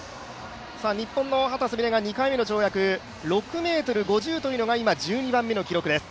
日本の秦澄美鈴が２回目の跳躍、６ｍ５０というのが今、１２番目の記録です。